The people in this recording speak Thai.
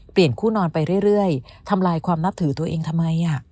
คู่นอนไปเรื่อยทำลายความนับถือตัวเองทำไม